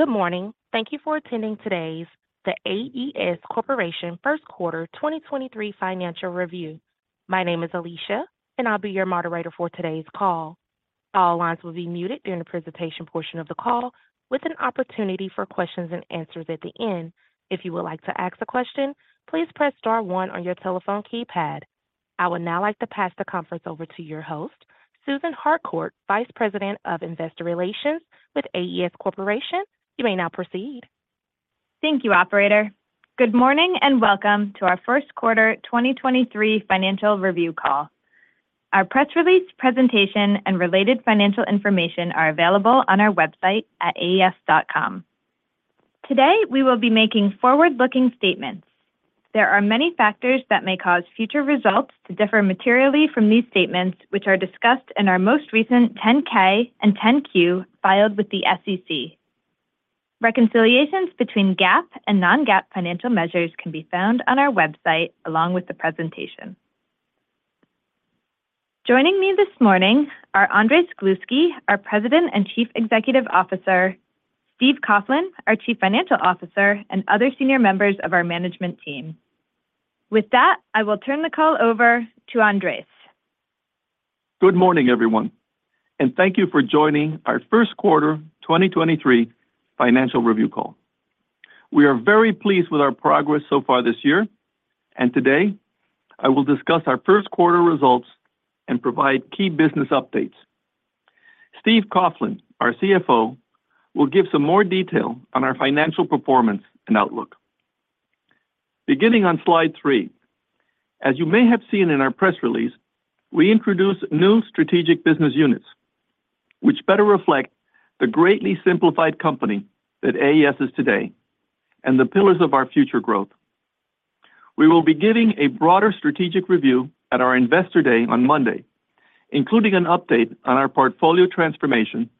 Good morning. Thank you for attending today's The AES Corporation Q1 2023 Financial Review. My name is Alicia, and I'll be your moderator for today's call. All lines will be muted during the presentation portion of the call, with an opportunity for questions and answers at the end. If you would like to ask a question, please press star one on your telephone keypad. I would now like to pass the conference over to your host, Susan Harcourt, Vice President of Investor Relations with AES Corporation. You may now proceed. Thank you, operator. Good morning, welcome to our Q1 2023 financial review call. Our press release presentation and related financial information are available on our website at aes.com. Today, we will be making forward-looking statements. There are many factors that may cause future results to differ materially from these statements, which are discussed in our most recent 10-K and 10-Q filed with the SEC. Reconciliations between GAAP and non-GAAP financial measures can be found on our website along with the presentation. Joining me this morning are Andrés Gluski, our President and Chief Executive Officer, Steve Coughlin, our Chief Financial Officer, and other senior members of our management team. With that, I will turn the call over to Andrés. Good morning, everyone, and thank you for joining our Q1 2023 financial review call. We are very pleased with our progress so far this year. Today, I will discuss our Q1 results and provide key business updates. Steve Coughlin, our CFO, will give some more detail on our financial performance and outlook. Beginning on slide three, as you may have seen in our press release, we introduced new strategic business units which better reflect the greatly simplified company that AES is today and the pillars of our future growth. We will be giving a broader strategic review at our Investor Day on Monday, including an update on our portfolio transformation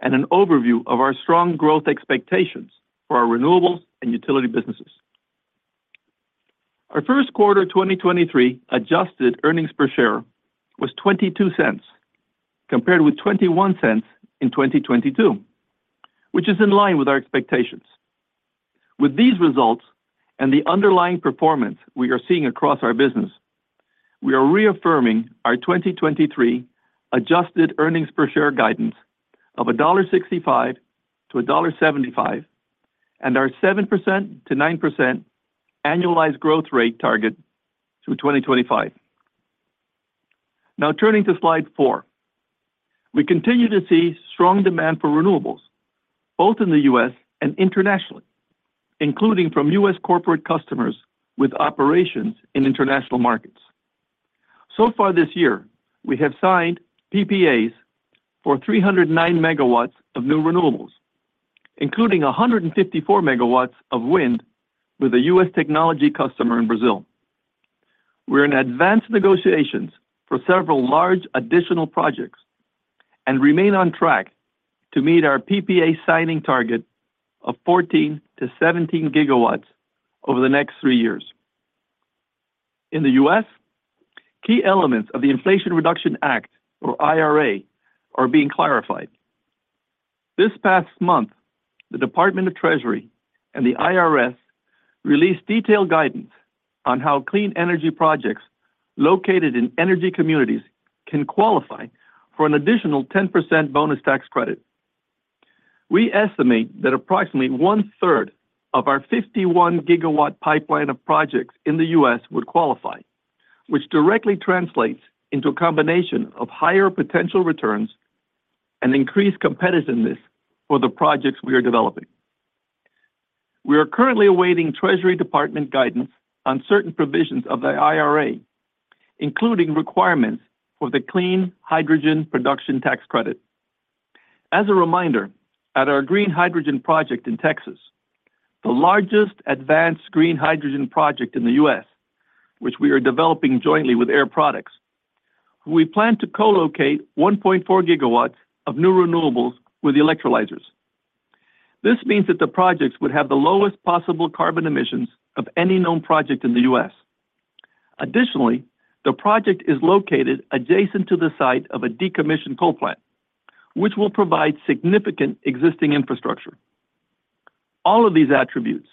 and an overview of our strong growth expectations for our renewables and utility businesses. Our Q1 2023 Adjusted Earnings Per Share was $0.22 compared with $0.21 in 2022, which is in line with our expectations. With these results and the underlying performance we are seeing across our business, we are reaffirming our 2023 Adjusted Earnings Per Share guidance of $1.65 to $1.75 and our 7%-9% annualized growth rate target through 2025. Turning to slide four. We continue to see strong demand for renewables, both in the U.S. and internationally, including from U.S. corporate customers with operations in international markets. For this year, we have signed PPAs for 309 megawatts of new renewables, including 154 megawatts of wind with a U.S. technology customer in Brazil. We're in advanced negotiations for several large additional projects and remain on track to meet our PPA signing target of 14-17 GW over the next three years. In the U.S., key elements of the Inflation Reduction Act or IRA are being clarified. This past month, the Department of the Treasury and the IRS released detailed guidance on how clean energy projects located in energy communities can qualify for an additional 10% bonus tax credit. We estimate that approximately one-third of our 51 GW pipeline of projects in the U.S. would qualify, which directly translates into a combination of higher potential returns and increased competitiveness for the projects we are developing. We are currently awaiting Treasury Department guidance on certain provisions of the IRA, including requirements for the clean hydrogen production tax credit. As a reminder, at our green hydrogen project in Texas, the largest advanced green hydrogen project in the US, which we are developing jointly with Air Products, we plan to co-locate 1.4 gigawatts of new renewables with the electrolyzers. This means that the projects would have the lowest possible carbon emissions of any known project in the US. Additionally, the project is located adjacent to the site of a decommissioned coal plant, which will provide significant existing infrastructure. All of these attributes,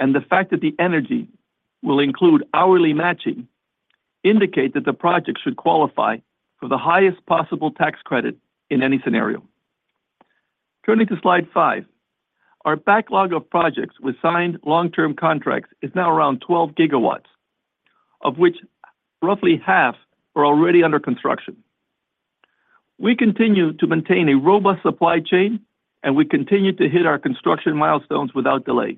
and the fact that the energy will include hourly matching, indicate that the project should qualify for the highest possible tax credit in any scenario. Turning to slide five. Our backlog of projects with signed long-term contracts is now around 12 gigawatts, of which roughly half are already under construction. We continue to maintain a robust supply chain, and we continue to hit our construction milestones without delay.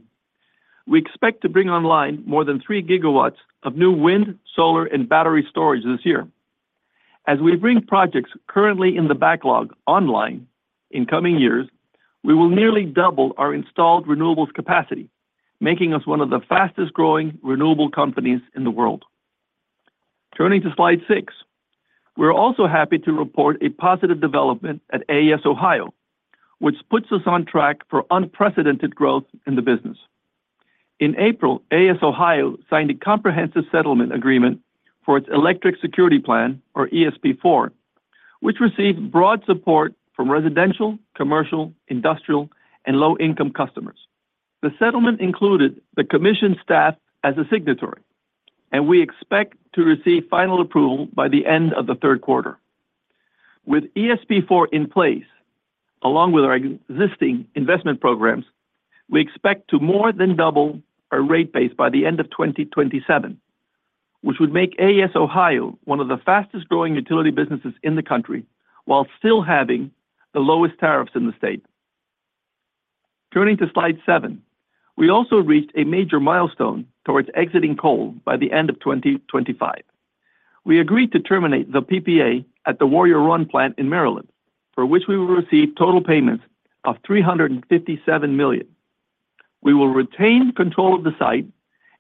We expect to bring online more than 3 gigawatts of new wind, solar, and battery storage this year. As we bring projects currently in the backlog online in coming years, we will nearly double our installed renewables capacity, making us one of the fastest-growing renewable companies in the world. Turning to slide six. We're also happy to report a positive development at AES Ohio, which puts us on track for unprecedented growth in the business. In April, AES Ohio signed a comprehensive settlement agreement for its Electric Security Plan or ESP4, which received broad support from residential, commercial, industrial, and low-income customers. The settlement included the commission staff as a signatory, and we expect to receive final approval by the end of the Q3. With ESP4 in place, along with our existing investment programs, we expect to more than double our rate base by the end of 2027, which would make AES Ohio one of the fastest-growing utility businesses in the country while still having the lowest tariffs in the state. Turning to slide seven. We also reached a major milestone towards exiting coal by the end of 2025. We agreed to terminate the PPA at the Warrior Run plant in Maryland, for which we will receive total payments of $357 million. We will retain control of the site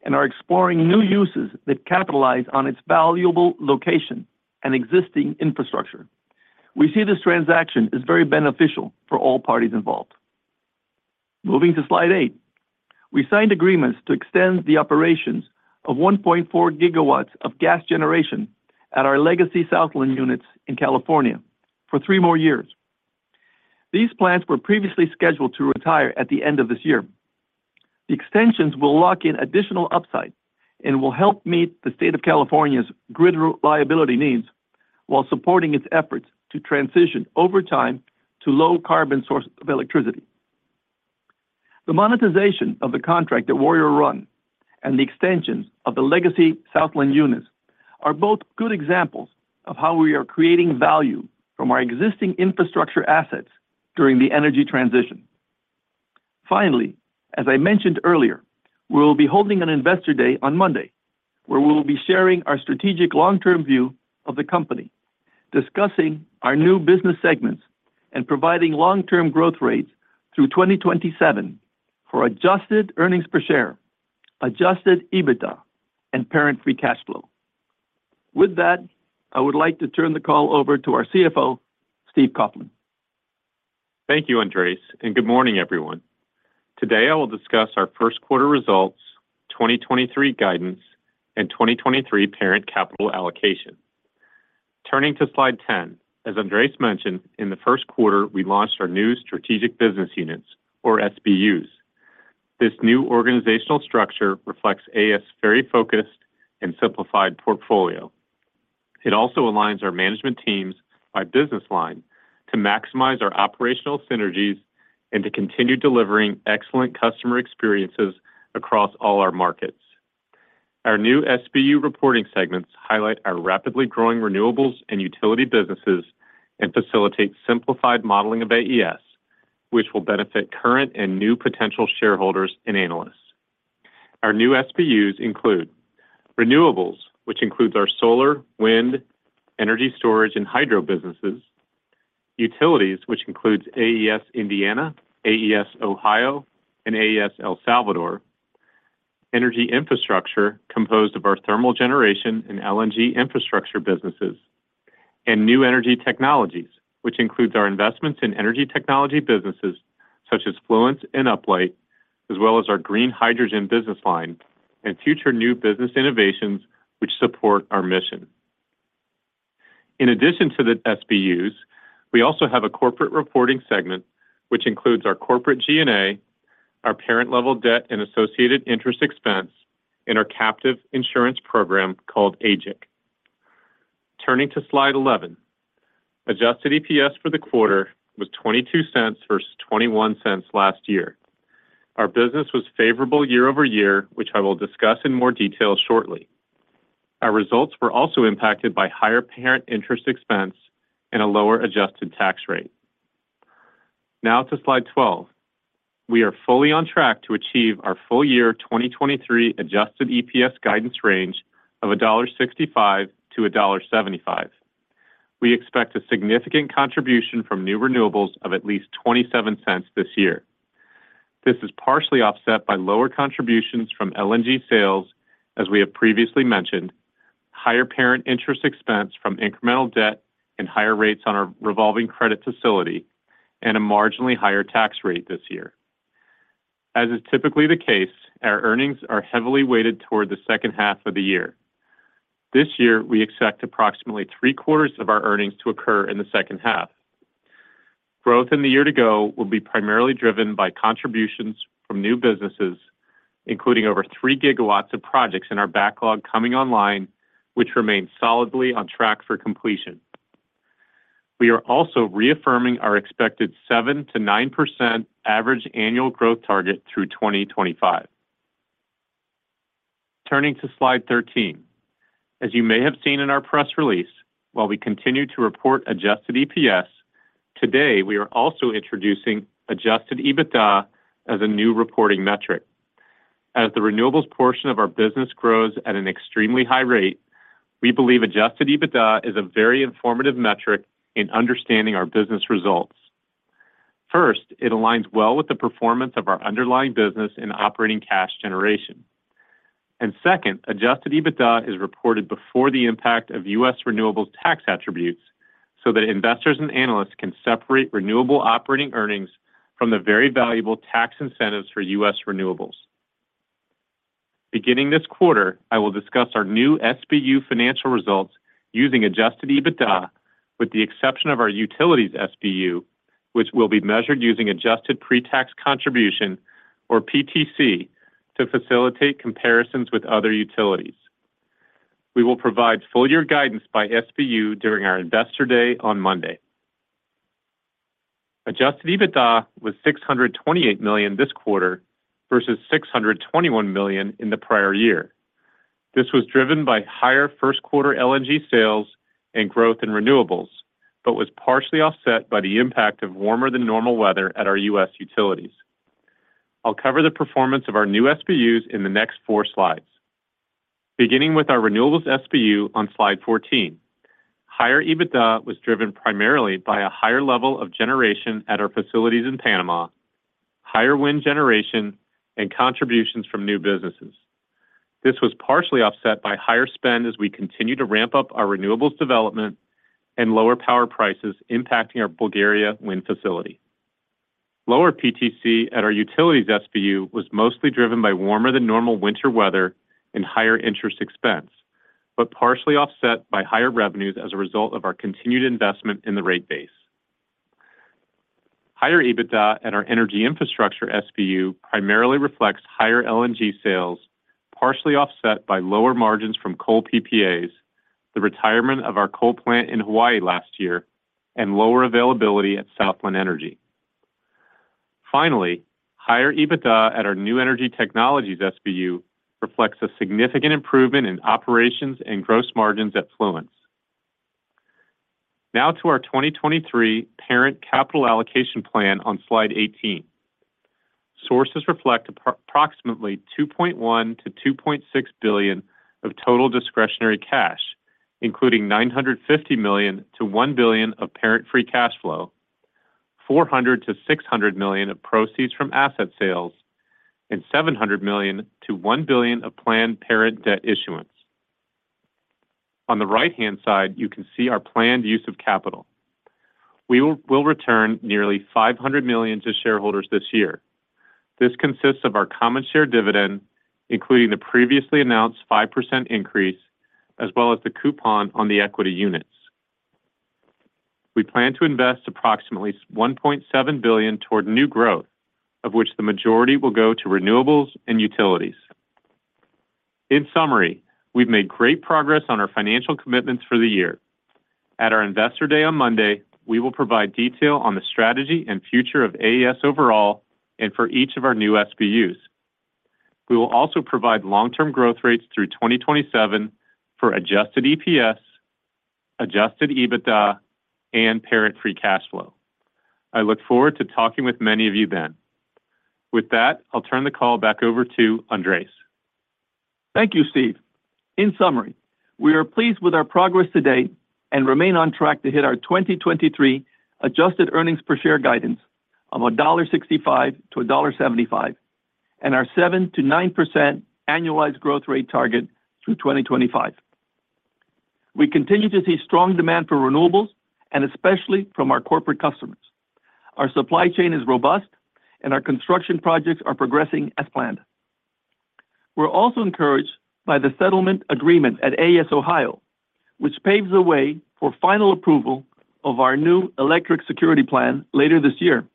and are exploring new uses that capitalize on its valuable location and existing infrastructure. We see this transaction as very beneficial for all parties involved. Moving to slide eight. We signed agreements to extend the operations of 1.4 GW of gas generation at our legacy Southland units in California for three more years. These plants were previously scheduled to retire at the end of this year. The extensions will lock in additional upside and will help meet the state of California's grid reliability needs while supporting its efforts to transition over time to low carbon sources of electricity. The monetization of the contract at Warrior Run and the extensions of the legacy Southland units are both good examples of how we are creating value from our existing infrastructure assets during the energy transition. Finally, as I mentioned earlier, we will be holding an investor day on Monday where we will be sharing our strategic long-term view of the company, discussing our new business segments, and providing long-term growth rates through 2027 for adjusted earnings per share, Adjusted EBITDA and parent free cash flow. With that, I would like to turn the call over to our CFO, Steve Coughlin. Thank you, Andrés, and good morning, everyone. Today, I will discuss our Q1 results, 2023 guidance, and 2023 parent capital allocation. Turning to slide 10. As Andrés mentioned, in the Q1, we launched our new strategic business units or SBUs. This new organizational structure reflects AES very focused and simplified portfolio. It also aligns our management teams by business line to maximize our operational synergies and to continue delivering excellent customer experiences across all our markets. Our new SBU reporting segments highlight our rapidly growing renewables and utility businesses and facilitate simplified modeling of AES, which will benefit current and new potential shareholders and analysts. Our new SBUs include renewables, which includes our solar, wind, energy storage, and hydro businesses. Utilities, which includes AES Indiana, AES Ohio, and AES El Salvador. Energy infrastructure composed of our thermal generation and LNG infrastructure businesses. New energy technologies, which includes our investments in energy technology businesses such as Fluence and Uplight, as well as our green hydrogen business line and future new business innovations which support our mission. In addition to the SBUs, we also have a corporate reporting segment, which includes our corporate G&A, our parent level debt and associated interest expense, and our captive insurance program called AGIC. Turning to slide 11. Adjusted EPS for the quarter was $0.22 versus $0.21 last year. Our business was favorable year-over-year, which I will discuss in more detail shortly. Our results were also impacted by higher parent interest expense and a lower adjusted tax rate. To slide 12. We are fully on track to achieve our full year 2023 Adjusted EPS guidance range of $1.65-$1.75. We expect a significant contribution from new renewables of at least $0.27 this year. This is partially offset by lower contributions from LNG sales, as we have previously mentioned, higher parent interest expense from incremental debt and higher rates on our revolving credit facility, and a marginally higher tax rate this year. As is typically the case, our earnings are heavily weighted toward the second half of the year. This year, we expect approximately three-quarters of our earnings to occur in the second half. Growth in the year to go will be primarily driven by contributions from new businesses, including over 3 gigawatts of projects in our backlog coming online, which remain solidly on track for completion. We are also reaffirming our expected 7%-9% average annual growth target through 2025. Turning to slide 13. As you may have seen in our press release, while we continue to report Adjusted EPS, today we are also introducing Adjusted EBITDA as a new reporting metric. As the renewables portion of our business grows at an extremely high rate, we believe Adjusted EBITDA is a very informative metric in understanding our business results. First, it aligns well with the performance of our underlying business in operating cash generation. Second, Adjusted EBITDA is reported before the impact of U.S. renewables tax attributes so that investors and analysts can separate renewable operating earnings from the very valuable tax incentives for U.S. renewables. Beginning this quarter, I will discuss our new SBU financial results using Adjusted EBITDA with the exception of our Utilities SBU, which will be measured using Adjusted Pre-Tax Contribution or PTC to facilitate comparisons with other utilities. We will provide full year guidance by SBU during our Investor Day on Monday. Adjusted EBITDA was $628 million this quarter versus $621 million in the prior year. This was driven by higher Q1 LNG sales and growth in renewables, was partially offset by the impact of warmer than normal weather at our U.S. utilities. I'll cover the performance of our new SBUs in the next four slides. Beginning with our renewables SBU on slide 14. Higher EBITDA was driven primarily by a higher level of generation at our facilities in Panama, higher wind generation, and contributions from new businesses. This was partially offset by higher spend as we continue to ramp up our renewables development and lower power prices impacting our Bulgaria wind facility. Lower PTC at our utilities SBU was mostly driven by warmer than normal winter weather and higher interest expense, partially offset by higher revenues as a result of our continued investment in the rate base. Higher EBITDA at our energy infrastructure SBU primarily reflects higher LNG sales, partially offset by lower margins from coal PPAs, the retirement of our coal plant in Hawaii last year, and lower availability at Southland Energy. Finally, higher EBITDA at our new energy technologies SBU reflects a significant improvement in operations and gross margins at Fluence. To our 2023 parent capital allocation plan on slide 18. Sources reflect approximately $2.1 billion-$2.6 billion of total discretionary cash, including $950 million-$1 billion of parent free cash flow, $400 million-$600 million of proceeds from asset sales, and $700 million-$1 billion of planned parent debt issuance. On the right-hand side, you can see our planned use of capital. We will return nearly $500 million to shareholders this year. This consists of our common share dividend, including the previously announced 5% increase, as well as the coupon on the equity units. We plan to invest approximately $1.7 billion toward new growth, of which the majority will go to renewables and utilities. In summary, we've made great progress on our financial commitments for the year. At our Investor Day on Monday, we will provide detail on the strategy and future of AES overall and for each of our new SBUs. We will also provide long-term growth rates through 2027 for Adjusted EPS, Adjusted EBITDA, and parent free cash flow. I look forward to talking with many of you then. With that, I'll turn the call back over to Andrés. Thank you, Steve. In summary, we are pleased with our progress to date and remain on track to hit our 2023 Adjusted earnings per share guidance of $1.65-$1.75 and our 7%-9% annualized growth rate target through 2025. We continue to see strong demand for renewables and especially from our corporate customers. Our supply chain is robust, and our construction projects are progressing as planned. We're also encouraged by the settlement agreement at AES Ohio, which paves the way for final approval of our new Electric Security Plan later this year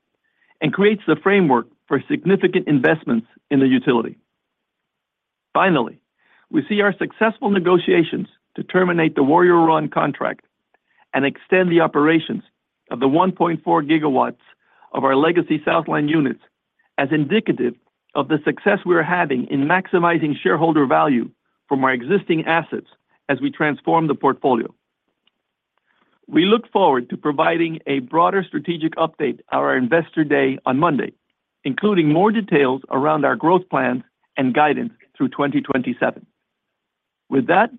and creates the framework for significant investments in the utility. Finally, we see our successful negotiations to terminate the Warrior Run contract and extend the operations of the 1.4 gigawatts of our legacy Southland units as indicative of the success we are having in maximizing shareholder value from our existing assets as we transform the portfolio. We look forward to providing a broader strategic update at our Investor Day on Monday, including more details around our growth plans and guidance through 2027. With that,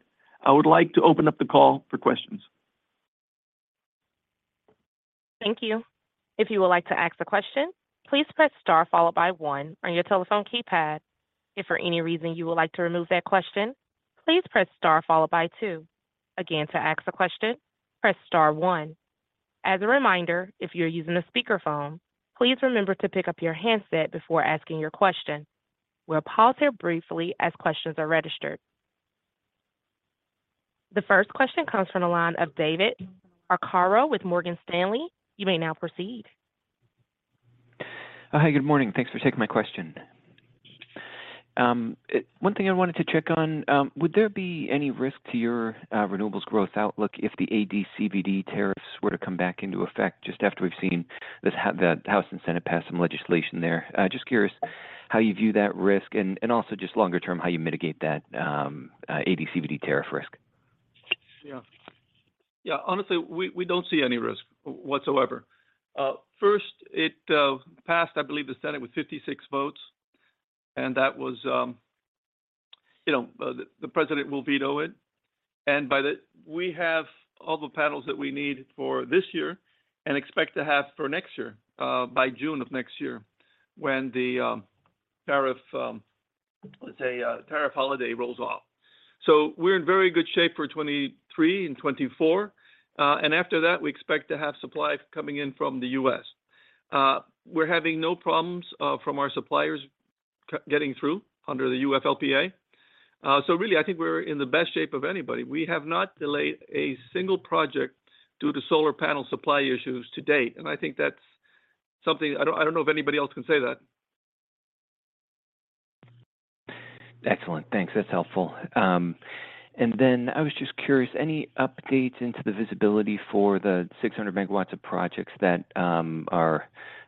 I would like to open up the call for questions. Thank you. If you would like to ask a question, please press star followed by one on your telephone keypad. If for any reason you would like to remove that question, please press star followed by two. Again, to ask a question, press star one. As a reminder, if you're using a speakerphone, please remember to pick up your handset before asking your question. We'll pause here briefly as questions are registered. The first question comes from the line of David Arcaro with Morgan Stanley. You may now proceed. Hi, good morning. Thanks for taking my question. One thing I wanted to check on, would there be any risk to your renewables growth outlook if the AD/CVD tariffs were to come back into effect just after we've seen the House and Senate pass some legislation there? Just curious how you view that risk and also just longer term, how you mitigate that AD/CVD tariff risk. Yeah. Yeah. Honestly, we don't see any risk whatsoever. First it passed, I believe, the Senate with 56 votes, and that was, you know, the president will veto it. We have all the panels that we need for this year and expect to have for next year, by June of next year when the tariff, let's say, tariff holiday rolls off. We're in very good shape for 2023 and 2024. After that, we expect to have supply coming in from the US. We're having no problems from our suppliers getting through under the UFLPA. Really, I think we're in the best shape of anybody. We have not delayed a single project due to solar panel supply issues to date, and I think that's something. I don't know if anybody else can say that. Excellent. Thanks. That's helpful. I was just curious, any update into the visibility for the 600 megawatts of projects that are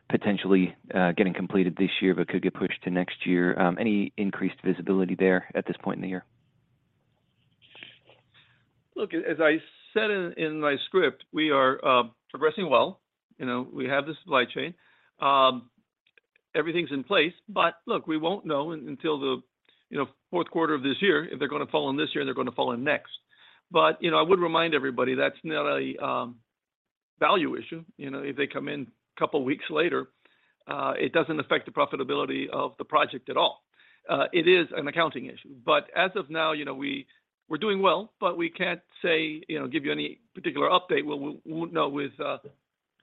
potentially getting completed this year but could get pushed to next year? Any increased visibility there at this point in the year? Look, as I said in my script, we are progressing well, you know. We have the supply chain. Everything's in place. Look, we won't know until the, you know, Q4 of this year if they're gonna fall in this year or they're gonna fall in next. You know, I would remind everybody that's not a value issue. You know, if they come in a couple weeks later, it doesn't affect the profitability of the project at all. It is an accounting issue. As of now, you know, we're doing well, but we can't say, you know, give you any particular update. We won't know with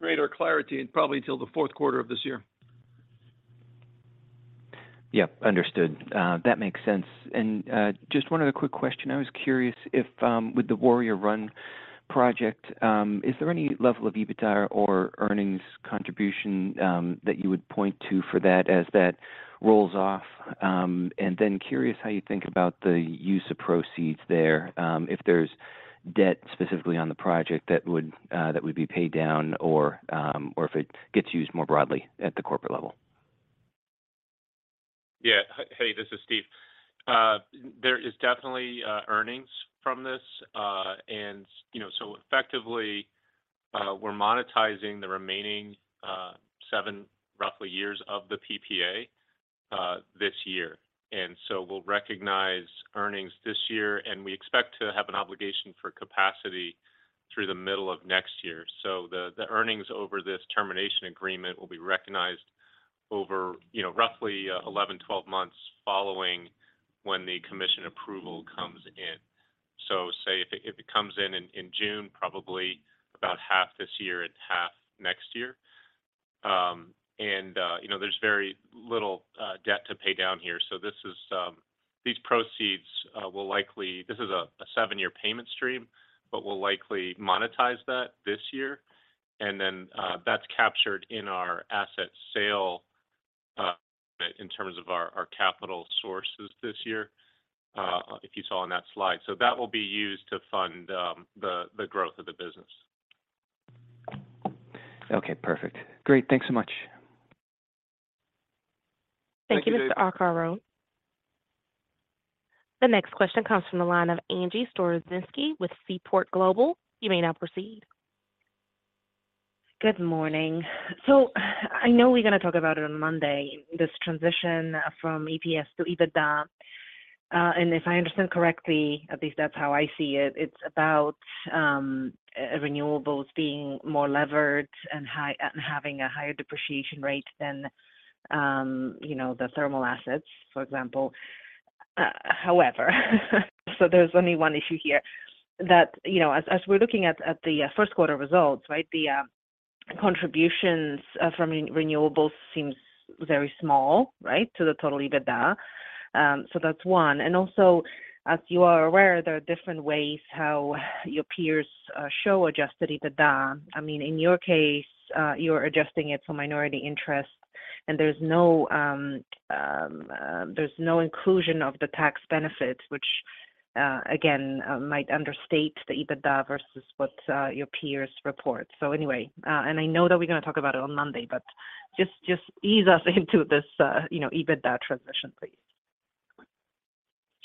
greater clarity probably until the Q4 of this year. Yeah, understood. That makes sense. Just one other quick question. I was curious if, with the Warrior Run project, is there any level of EBITDA or earnings contribution, that you would point to for that as that rolls off? Then curious how you think about the use of proceeds there, if there's debt specifically on the project that would, that would be paid down or if it gets used more broadly at the corporate level? Yeah. Hey, this is Steve. There is definitely earnings from this. You know, so effectively, we're monetizing the remaining 7, roughly, years of the PPA this year. We'll recognize earnings this year, and we expect to have an obligation for capacity through the middle of next year. The earnings over this termination agreement will be recognized over, you know, roughly, 11, 12 months following when the commission approval comes in. Say if it comes in June, probably about half this year and half next year. You know, there's very little debt to pay down here. This is these proceeds will likely. This is a 7-year payment stream, but we'll likely monetize that this year. That's captured in our asset sale, in terms of our capital sources this year, if you saw on that slide. That will be used to fund the growth of the business. Okay, perfect. Great. Thanks so much. Thank you, Steve. Thank you, Mr. Arcaro. The next question comes from the line of Angie Storozynski with Seaport Global. You may now proceed. Good morning. I know we're gonna talk about it on Monday, this transition from EPS to EBITDA. If I understand correctly, at least that's how I see it's about renewables being more levered and having a higher depreciation rate than, you know, the thermal assets, for example. However, there's only one issue here that, you know, as we're looking at the Q1 results, right? The contributions from renewables seems very small, right? To the total EBITDA. That's one. Also, as you are aware, there are different ways how your peers show adjusted EBITDA. I mean, in your case, you're adjusting it for minority interest, and there's no, there's no inclusion of the tax benefits, which, again, might understate the EBITDA versus what, your peers report. Anyway, and I know that we're gonna talk about it on Monday, but just ease us into this, you know, EBITDA transition, please.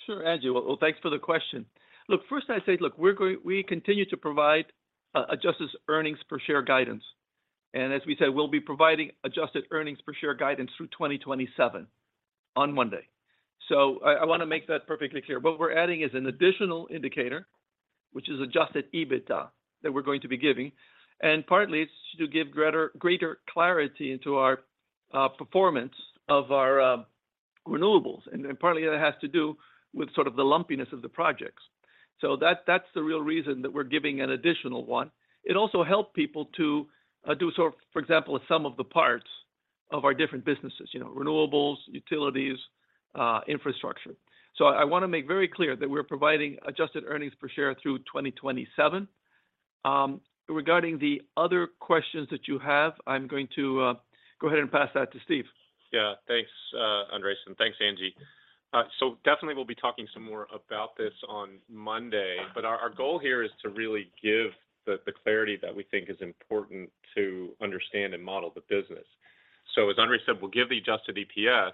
Sure, Angie. Thanks for the question. Look, first I say, look, we continue to provide Adjusted Earnings Per Share guidance. As we said, we'll be providing Adjusted Earnings Per Share guidance through 2027 on Monday. I wanna make that perfectly clear. What we're adding is an additional indicator, which is Adjusted EBITDA that we're going to be giving. Partly it's to give greater clarity into our performance of our renewables. Partly that has to do with sort of the lumpiness of the projects. That's the real reason that we're giving an additional one. It also help people to do sort of, for example, a sum of the parts of our different businesses, you know, renewables, utilities, infrastructure. I wanna make very clear that we're providing Adjusted Earnings Per Share through 2027. Regarding the other questions that you have, I'm going to go ahead and pass that to Steve. Thanks, Andres, and thanks, Angie. Definitely we'll be talking some more about this on Monday, but our goal here is to really give the clarity that we think is important to understand and model the business. As Andres said, we'll give the Adjusted EPS.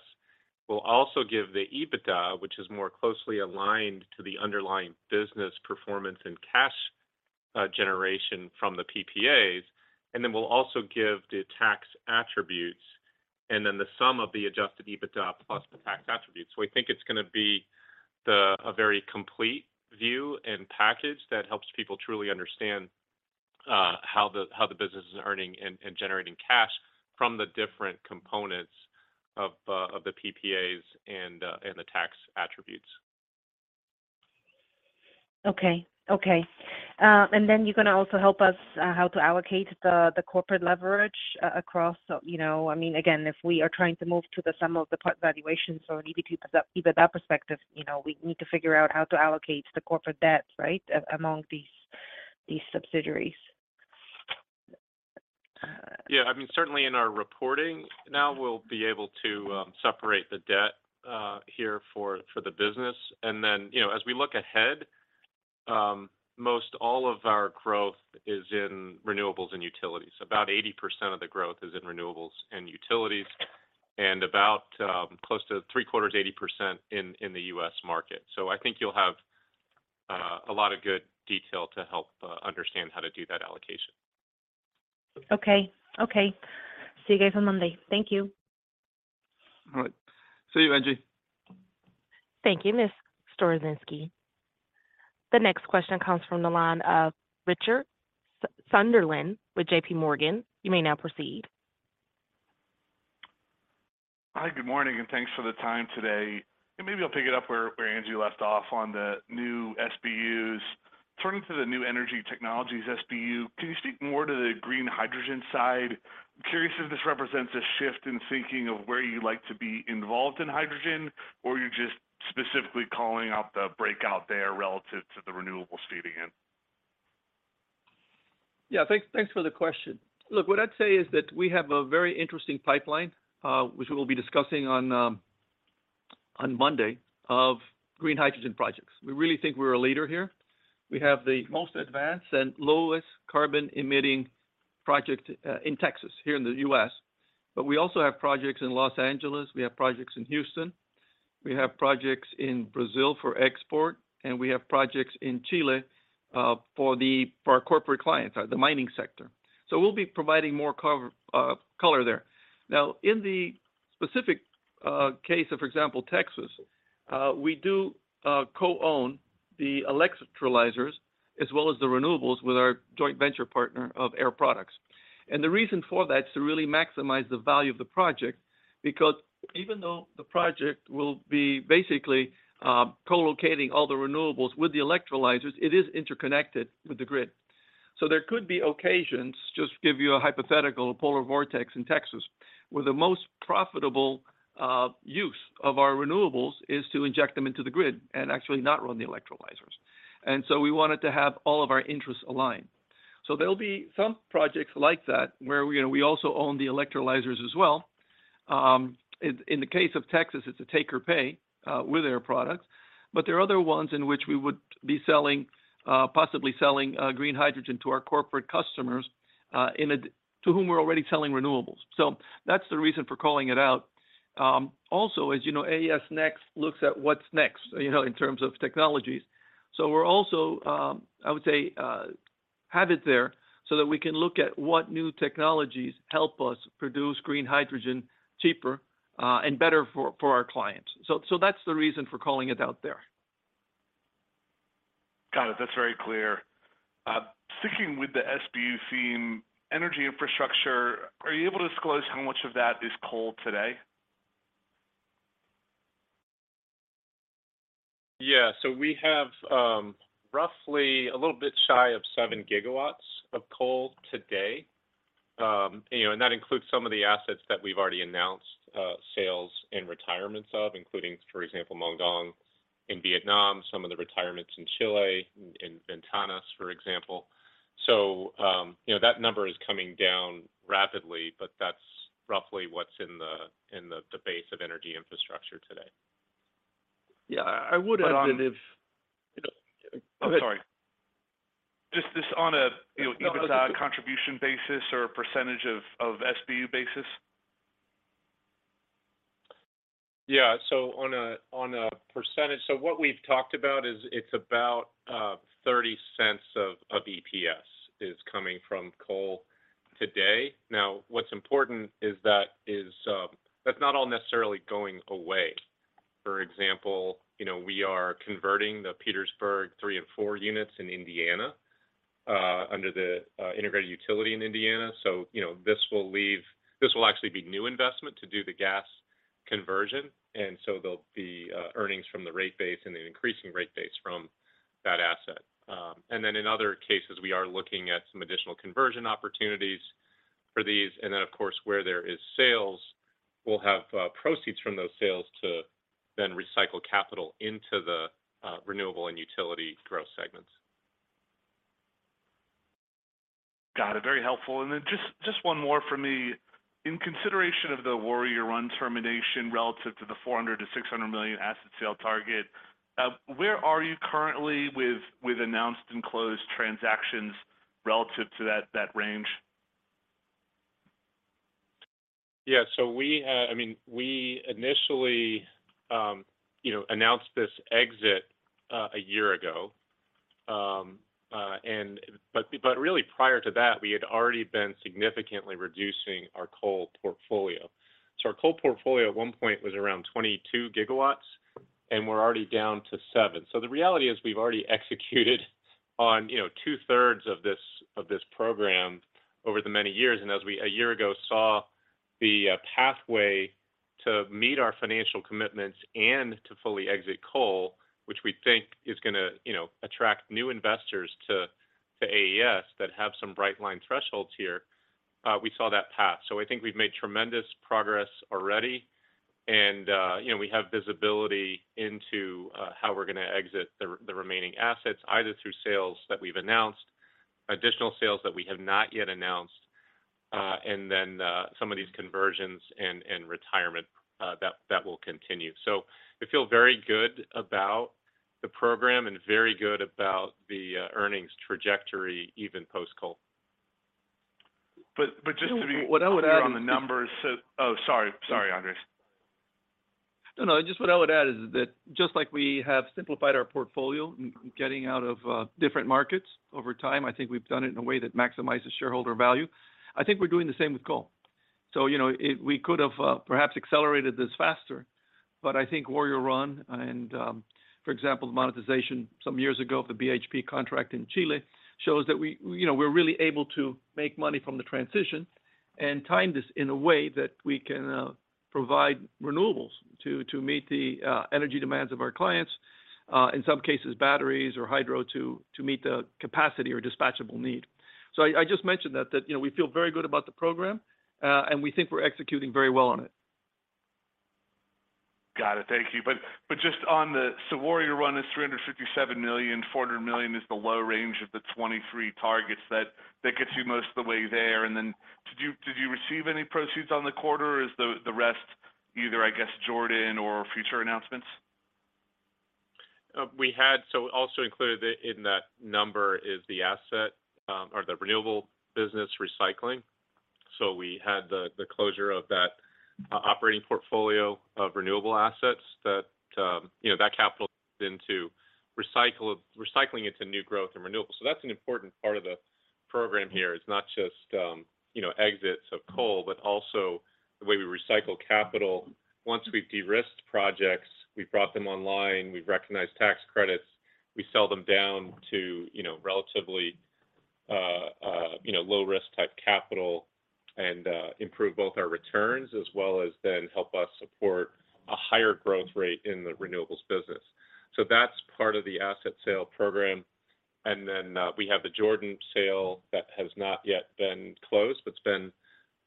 We'll also give the EBITDA, which is more closely aligned to the underlying business performance and cash generation from the PPAs, and then we'll also give the tax attributes and then the sum of the Adjusted EBITDA plus the tax attributes. We think it's gonna be a very complete view and package that helps people truly understand how the business is earning and generating cash from the different components of the PPAs and the tax attributes. Okay. Okay. Then you're gonna also help us how to allocate the corporate leverage across, you know, I mean, again, if we are trying to move to the sum of the part valuation, so an EBITDA perspective, you know, we need to figure out how to allocate the corporate debt, right, among these subsidiaries. I mean, certainly in our reporting now, we'll be able to separate the debt here for the business. Then, you know, as we look ahead, most all of our growth is in renewables and utilities. About 80% of the growth is in renewables and utilities and about close to three-quarters, 80% in the U.S. market. I think you'll have a lot of good detail to help understand how to do that allocation. Okay. Okay. See you guys on Monday. Thank you. All right. See you, Angie. Thank you, Ms. Storozynski. The next question comes from the line of Richard Sunderland with J.P. Morgan. You may now proceed. Hi, good morning. Thanks for the time today. Maybe I'll pick it up where Angie left off on the new SBUs. Turning to the new energy technologies SBU, can you speak more to the green hydrogen side? I'm curious if this represents a shift in thinking of where you like to be involved in hydrogen, or you're just specifically calling out the breakout there relative to the renewable CDN. Yeah. Thanks, thanks for the question. Look, what I'd say is that we have a very interesting pipeline, which we'll be discussing on Monday of green hydrogen projects. We really think we're a leader here. We have the most advanced and lowest carbon-emitting project in Texas, here in the U.S., but we also have projects in Los Angeles, we have projects in Houston, we have projects in Brazil for export, and we have projects in Chile for our corporate clients, the mining sector. We'll be providing more color there. In the specific case of, for example, Texas, we do co-own the electrolyzers as well as the renewables with our joint venture partner of Air Products. The reason for that is to really maximize the value of the project because even though the project will be basically co-locating all the renewables with the electrolyzers, it is interconnected with the grid. There could be occasions, just to give you a hypothetical, a polar vortex in Texas, where the most profitable use of our renewables is to inject them into the grid and actually not run the electrolyzers. We wanted to have all of our interests aligned. There'll be some projects like that where we, you know, we also own the electrolyzers as well. In the case of Texas, it's a take or pay with Air Products, but there are other ones in which we would be selling, possibly selling, green hydrogen to our corporate customers, to whom we're already selling renewables. That's the reason for calling it out. Also, as you know, AES Next looks at what's next, you know, in terms of technologies. We're also, I would say, have it there so that we can look at what new technologies help us produce green hydrogen cheaper, and better for our clients. That's the reason for calling it out there. Got it. That's very clear. Sticking with the SBU theme, energy infrastructure, are you able to disclose how much of that is coal today? Yeah. We have roughly a little bit shy of 7 gigawatts of coal today. You know, and that includes some of the assets that we've already announced sales and retirements of, including, for example, Mong Duong in Vietnam, some of the retirements in Chile, in Ventanas, for example. You know, that number is coming down rapidly, but that's roughly what's in the base of energy infrastructure today. Yeah. I would add that. But on- You know. Go ahead. I'm sorry. Just this on a, you know- No, that's good. EBITDA contribution basis or a percentage of SBU basis? Yeah. On a percentage, what we've talked about is it's about $0.30 of EPS is coming from coal today. Now, what's important that's not all necessarily going away. For example, you know, we are converting the Petersburg three and four units in Indiana, under the integrated utility in Indiana. You know, This will actually be new investment to do the gas conversion, and so there'll be earnings from the rate base and an increasing rate base from that asset. In other cases, we are looking at some additional conversion opportunities for these. Of course, where there is sales, we'll have proceeds from those sales to then recycle capital into the renewable and utility growth segments. Got it. Very helpful. Then just one more for me. In consideration of the Warrior Run termination relative to the $400 million-$600 million asset sale target, where are you currently with announced and closed transactions relative to that range? Yeah. I mean, we initially, you know, announced this exit a year ago. But really prior to that, we had already been significantly reducing our coal portfolio. Our coal portfolio at one point was around 22 gigawatts, and we're already down to 7. The reality is we've already executed on, you know, two-thirds of this program over the many years. As we a year ago saw the pathway to meet our financial commitments and to fully exit coal, which we think is gonna, you know, attract new investors to AES that have some bright line thresholds here, we saw that path. I think we've made tremendous progress already and, you know, we have visibility into how we're gonna exit the remaining assets, either through sales that we've announced, additional sales that we have not yet announced, and then, some of these conversions and retirement, that will continue. We feel very good about the program and very good about the earnings trajectory, even post-coal. Just. What I would add is. On the numbers. Oh, sorry, Andrés. No, no. Just what I would add is that just like we have simplified our portfolio in getting out of different markets over time, I think we've done it in a way that maximizes shareholder value. I think we're doing the same with coal. You know, we could have perhaps accelerated this faster, but I think Warrior Run and, for example, the monetization some years ago of the BHP contract in Chile shows that we, you know, we're really able to make money from the transition and time this in a way that we can provide renewables to meet the energy demands of our clients. In some cases, batteries or hydro to meet the capacity or dispatchable need. I just mentioned that, you know, we feel very good about the program, and we think we're executing very well on it. Got it. Thank you. Just on the So Warrior Run is $357 million. $400 million is the low range of the 2023 targets. That gets you most of the way there. Then did you receive any proceeds on the quarter, or is the rest either, I guess, Jordan or future announcements? We had also included in that number is the asset, or the renewable business recycling. We had the closure of that operating portfolio of renewable assets that, you know, that capital into recycling into new growth and renewables. That's an important part of the program here. It's not just, you know, exits of coal, but also the way we recycle capital. Once we've de-risked projects, we've brought them online, we've recognized tax credits, we sell them down to, you know, relatively low risk type capital and improve both our returns as well as then help us support a higher growth rate in the renewables business. That's part of the asset sale program. Then, we have the Jordan sale that has not yet been closed, but it's been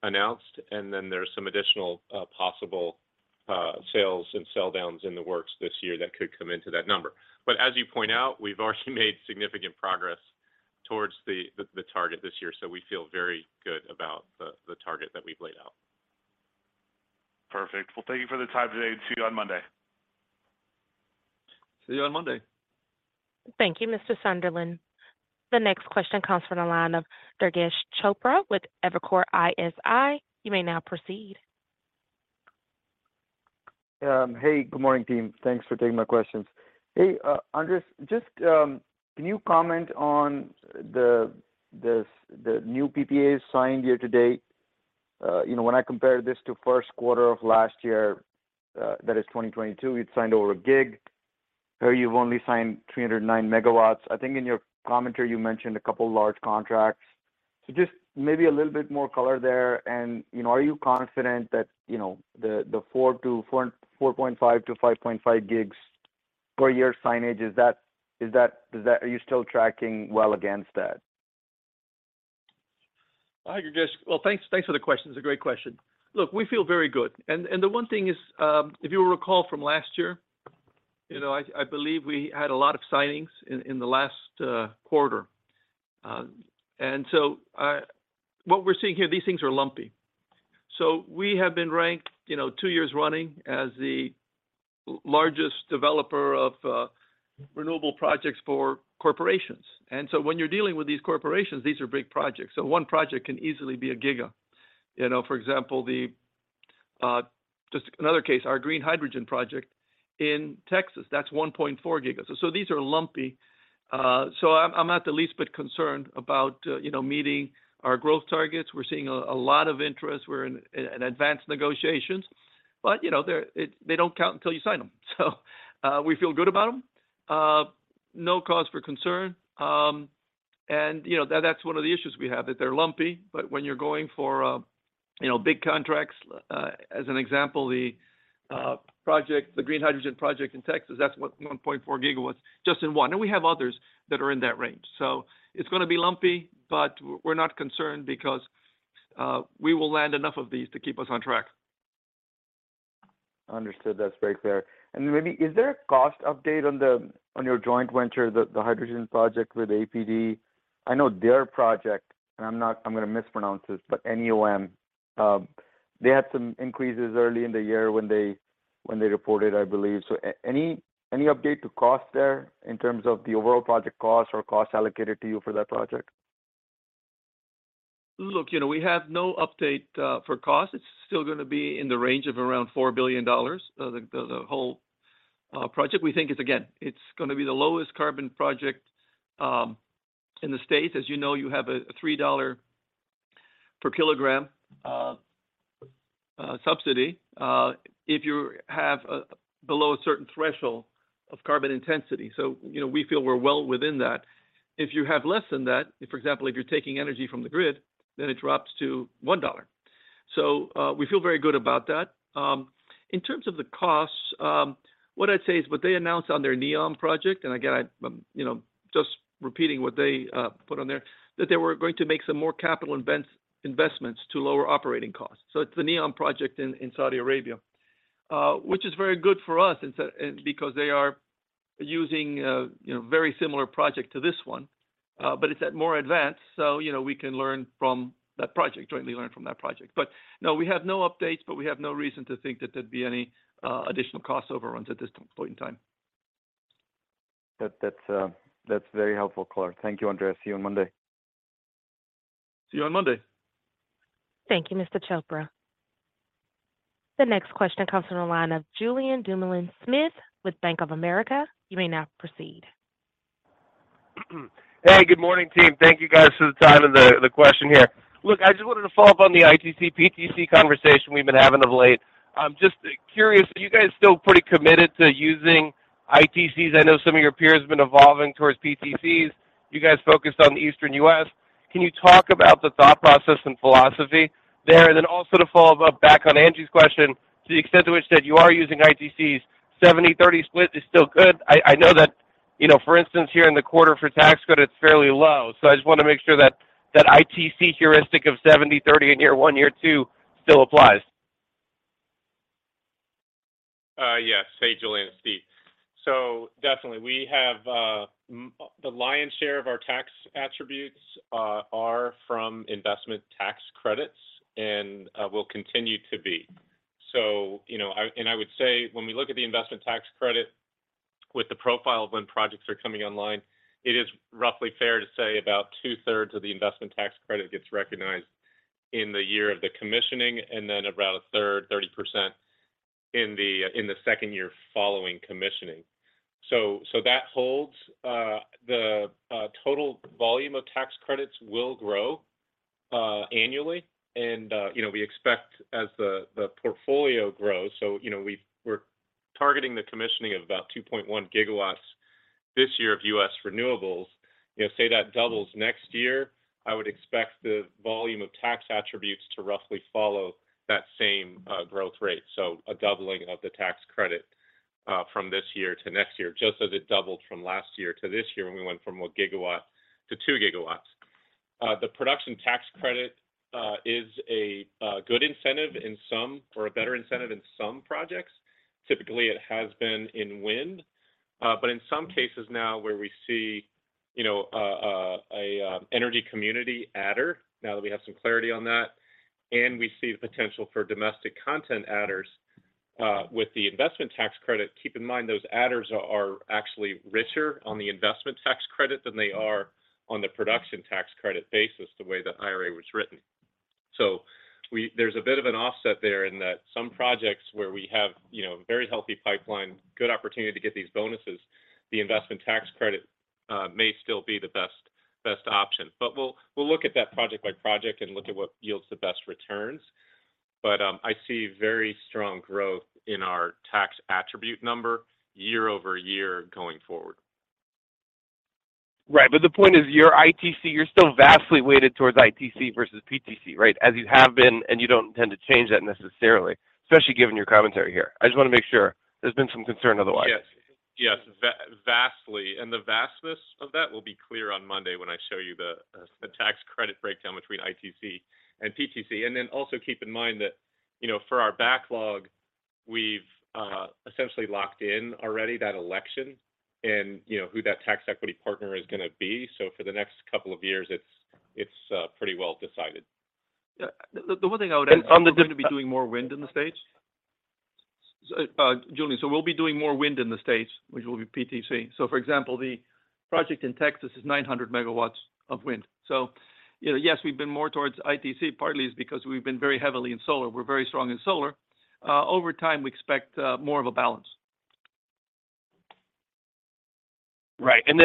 announced. Then there's some additional possible sales and sell downs in the works this year that could come into that number. As you point out, we've already made significant progress towards the target this year, we feel very good about the target that we've laid out. Perfect. Well, thank you for the time today. See you on Monday. See you on Monday. Thank you, Mr. Sunderland. The next question comes from the line of Durgesh Chopra with Evercore ISI. You may now proceed. Hey, good morning, team. Thanks for taking my questions. Hey, Andrés, just, can you comment on the new PPAs signed year to date? You know, when I compare this to Q1 of last year, that is 2022, you'd signed over 1 gig. Here you've only signed 309 megawatts. I think in your commentary, you mentioned a couple of large contracts. Just maybe a little bit more color there. You know, are you confident that, you know, the 4 to 4.5 to 5.5 gigs per year signage, is that, are you still tracking well against that? Hi, Durgesh. Well, thanks for the question. It's a great question. Look, we feel very good. The one thing is, if you recall from last year, you know, I believe we had a lot of signings in the last quarter. What we're seeing here, these things are lumpy. We have been ranked, you know, two years running as the largest developer of renewable projects for corporations. When you're dealing with these corporations, these are big projects. One project can easily be a giga. You know, for example, just another case, our green hydrogen project in Texas, that's 1.4 GW. These are lumpy. I'm not the least bit concerned about, you know, meeting our growth targets. We're seeing a lot of interest. We're in an advanced negotiations. You know, they don't count until you sign them. We feel good about them. No cause for concern. You know, that's one of the issues we have, that they're lumpy. When you're going for, you know, big contracts, as an example, the project, the green hydrogen project in Texas, that's what 1.4 GW was just in one. We have others that are in that range. It's gonna be lumpy, but we're not concerned because we will land enough of these to keep us on track. Understood. That's very fair. Maybe is there a cost update on your joint venture, the hydrogen project with APD? I know their project, and I'm gonna mispronounce this, but NEOM, they had some increases early in the year when they reported, I believe. Any update to cost there in terms of the overall project costs or costs allocated to you for that project? Look, you know, we have no update for cost. It's still gonna be in the range of around $4 billion. The whole project. Again, it's gonna be the lowest carbon project in the States. As you know, you have a $3 per kilogram subsidy if you have below a certain threshold of carbon intensity. You know, we feel we're well within that. If you have less than that, for example, if you're taking energy from the grid, then it drops to $1. We feel very good about that. In terms of the costs, what I'd say is what they announced on their NEOM project, and again, I, you know, just repeating what they put on there, that they were going to make some more capital investments to lower operating costs. It's the NEOM project in Saudi Arabia, which is very good for us instead, because they are using, you know, very similar project to this one, but it's at more advanced. You know, we can learn from that project, jointly learn from that project. No, we have no updates, but we have no reason to think that there'd be any additional cost overruns at this point in time. That's very helpful, Clark. Thank you, Andrés. See you on Monday. See you on Monday. Thank you, Mr. Chopra. The next question comes from the line of Julien Dumoulin-Smith with Bank of America. You may now proceed. Hey, good morning, team. Thank Thank you guys for the time and the question here. Look, I just wanted to follow up on the ITC, PTC conversation we've been having of late. I'm just curious, are you guys still pretty committed to using ITCs? I know some of your peers have been evolving towards PTCs. You guys focused on the Eastern U.S. Can you talk about the thought process and philosophy there? Then also to follow up back on Angie's question, to the extent to which that you are using ITCs, 70/30 split is still good. I know that, you know, for instance, here in the quarter for tax code, it's fairly low. I just wanna make sure that that ITC heuristic of 70/30 in year 1, year 2 still applies. Yes. Hey, Julien, it's Steve. Definitely, we have the lion's share of our tax attributes are from Investment Tax Credits and will continue to be. You know, I would say when we look at the Investment Tax Credit with the profile of when projects are coming online, it is roughly fair to say about two-thirds of the Investment Tax Credit gets recognized in the year of the commissioning, and then about a third, 30% in the second year following commissioning. That holds. The total volume of tax credits will grow annually. You know, we expect as the portfolio grows, you know, we're targeting the commissioning of about 2.1 gigawatts this year of U.S. renewables. You know, say that doubles next year, I would expect the volume of tax attributes to roughly follow that same growth rate. A doubling of the tax credit from this year to next year, just as it doubled from last year to this year when we went from one gigawatt to two gigawatts. The Production Tax Credit is a good incentive in some or a better incentive in some projects. Typically, it has been in wind. In some cases now where we see, you know, energy community adder, now that we have some clarity on that, and we see the potential for domestic content adders, with the Investment Tax Credit, keep in mind those adders are actually richer on the Investment Tax Credit than they are on the Production Tax Credit basis, the way the IRA was written. There's a bit of an offset there in that some projects where we have, you know, very healthy pipeline, good opportunity to get these bonuses, the Investment Tax Credit, may still be the best option. We'll look at that project by project and look at what yields the best returns. I see very strong growth in our tax attribute number year-over-year going forward. Right. The point is your ITC, you're still vastly weighted towards ITC versus PTC, right? As you have been, and you don't tend to change that necessarily, especially given your commentary here. I just wanna make sure. There's been some concern otherwise. Yes. Yes. Vastly. The vastness of that will be clear on Monday when I show you the tax credit breakdown between ITC and PTC. Also keep in mind that, you know, for our backlog, we've essentially locked in already that election and, you know, who that tax equity partner is gonna be. For the next couple of years, it's pretty well decided. Yeah. The one thing I would add- And on the- We're gonna be doing more wind in the States. Julien, we'll be doing more wind in the States, which will be PTC. For example, the project in Texas is 900 megawatts of wind. You know, yes, we've been more towards ITC, partly is because we've been very heavily in solar. We're very strong in solar. Over time, we expect, more of a balance. Right. Then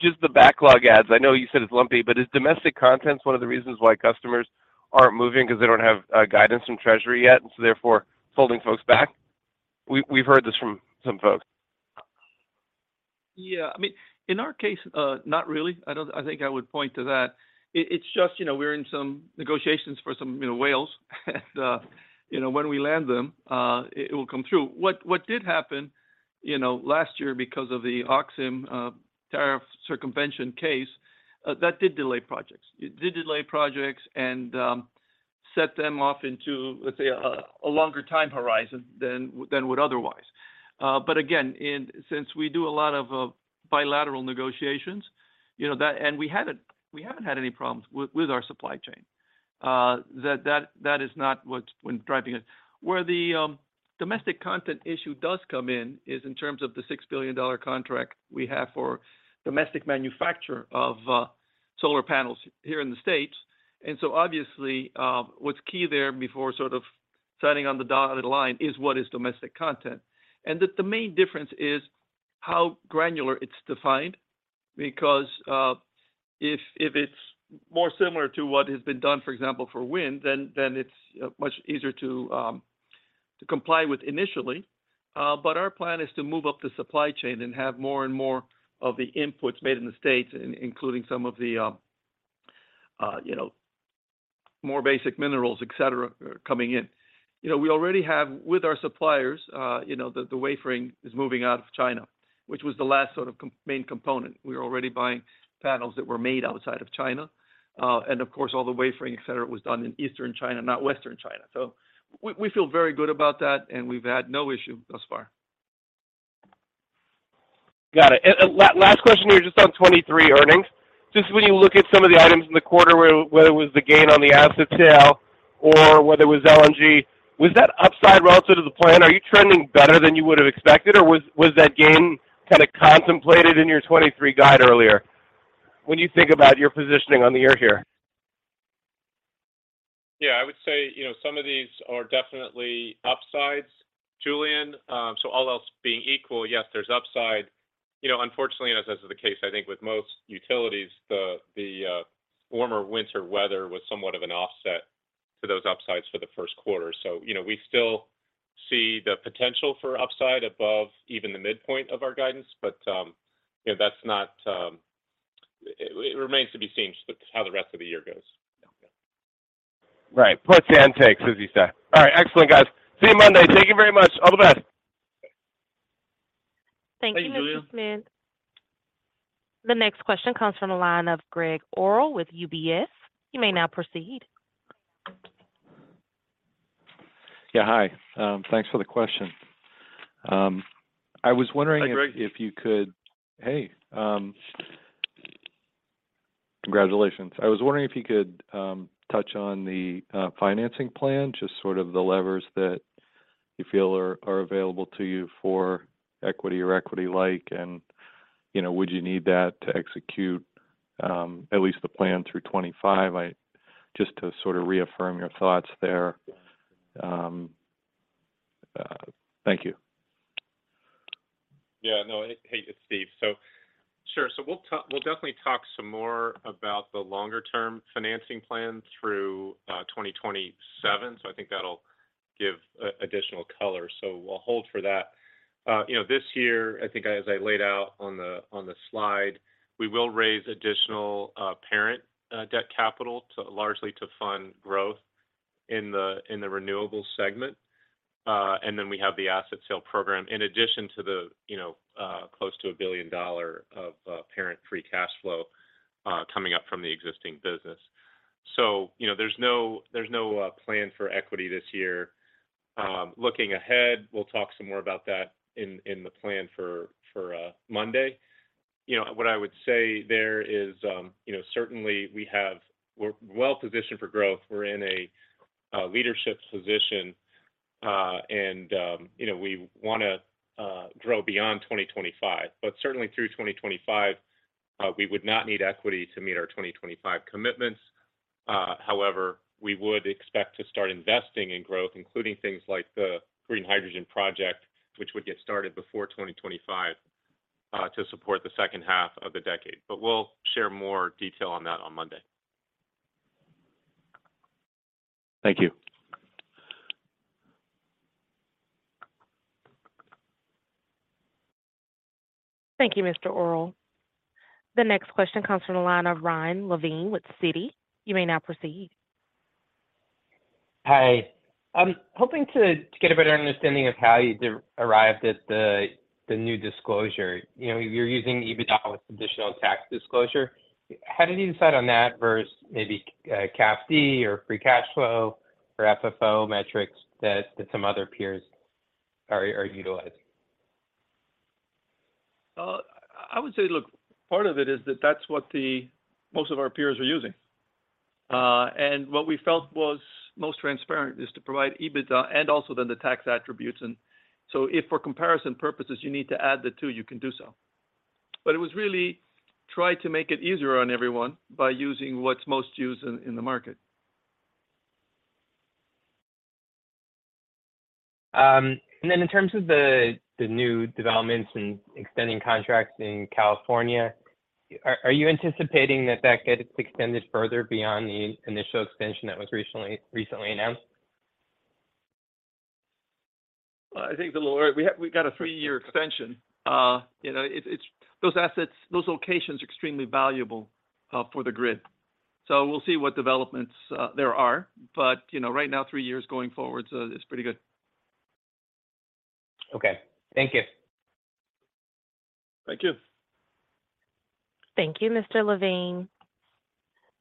Just the backlog adds, I know you said it's lumpy, but is domestic content one of the reasons why customers aren't moving because they don't have guidance from Treasury yet, and so therefore holding folks back? We've heard this from some folks. Yeah. I mean, in our case, not really. I think I would point to that. It's just, you know, we're in some negotiations for some, you know, whales, and, you know, when we land them, it will come through. What did happen, you know, last year because of the Auxin Solar tariff circumvention case, that did delay projects. It did delay projects and set them off into, let's say, a longer time horizon than would otherwise. But again, since we do a lot of bilateral negotiations, you know, that... We haven't had any problems with our supply chain. That is not what's driving it. Where the domestic content issue does come in is in terms of the $6 billion contract we have for domestic manufacture of solar panels here in the States. Obviously, what's key there before sort of signing on the dotted line is what is domestic content. The main difference is how granular it's defined because if it's more similar to what has been done, for example, for wind, then it's much easier to comply with initially. Our plan is to move up the supply chain and have more and more of the inputs made in the States, including some of the, you know, more basic minerals, et cetera, coming in. You know, we already have with our suppliers, you know, the wafering is moving out of China, which was the last sort of main component. We're already buying panels that were made outside of China. Of course, all the wafering, et cetera, was done in Eastern China, not Western China. We feel very good about that, and we've had no issue thus far. Got it. Last question here, just on 23 earnings. Just when you look at some of the items in the quarter, whether it was the gain on the asset sale or whether it was LNG, was that upside relative to the plan? Are you trending better than you would have expected, or was that gain kind of contemplated in your 23 guide earlier when you think about your positioning on the year here? Yeah, I would say, you know, some of these are definitely upsides, Julian. All else being equal, yes, there's upside. You know, unfortunately, and as is the case I think with most utilities, the warmer winter weather was somewhat of an offset to those upsides for the Q1. You know, we still see the potential for upside above even the midpoint of our guidance, but, you know, that's not. It remains to be seen just how the rest of the year goes. Right. Puts and takes, as you say. All right. Excellent, guys. See you Monday. Thank you very much. All the best. Thank you, Mr. Smith. The next question comes from the line of Gregg Orrill with UBS. You may now proceed. Hi. Thanks for the question. Hi, Greg. If you could. Hey, congratulations. I was wondering if you could touch on the financing plan, just sort of the levers that you feel are available to you for equity or equity-like. You know, would you need that to execute at least the plan through 25? Just to sort of reaffirm your thoughts there. Thank you. Yeah. No. Hey, it's Steve Coughlin. Sure. We'll definitely talk some more about the longer-term financing plan through 2027. I think that'll give additional color. We'll hold for that. You know, this year, I think as I laid out on the slide, we will raise additional parent debt capital largely to fund growth in the renewables segment. Then we have the asset sale program in addition to the, you know, close to $1 billion of parent free cash flow coming up from the existing business. You know, there's no plan for equity this year. Looking ahead, we'll talk some more about that in the plan for Monday. You know, what I would say there is, certainly we're well-positioned for growth. We're in a leadership position. We wanna grow beyond 2025. Certainly through 2025, we would not need equity to meet our 2025 commitments. However, we would expect to start investing in growth, including things like the green hydrogen project, which would get started before 2025, to support the second half of the decade. We'll share more detail on that on Monday. Thank you. Thank you, Mr. Orrill. The next question comes from the line of Ryan Levine with Citi. You may now proceed. Hi. I'm hoping to get a better understanding of how you arrived at the new disclosure. You know, you're using EBITDA with additional tax disclosure. How did you decide on that versus maybe CAFD or free cash flow or FFO metrics that some other peers are utilizing? I would say, look, part of it is that that's what most of our peers are using. What we felt was most transparent is to provide EBITDA and also then the tax attributes. If for comparison purposes you need to add the two, you can do so. It was really try to make it easier on everyone by using what's most used in the market. Then in terms of the new developments and extending contracts in California, are you anticipating that that gets extended further beyond the initial extension that was recently announced? I think we got a 3-year extension. You know, it's, Those assets, those locations are extremely valuable for the grid. We'll see what developments there are. You know, right now, 3 years going forward is pretty good. Okay. Thank you. Thank you. Thank you, Mr. Levine.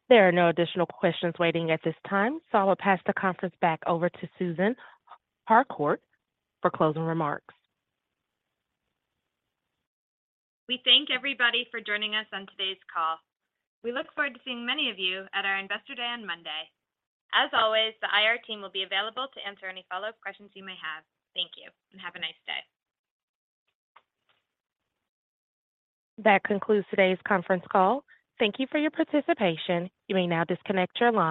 There are no additional questions waiting at this time. I will pass the conference back over to Susan Harcourt for closing remarks. We thank everybody for joining us on today's call. We look forward to seeing many of you at our Investor Day on Monday. As always, the IR team will be available to answer any follow-up questions you may have. Thank you, and have a nice day. That concludes today's conference call. Thank you for your participation. You may now disconnect your line.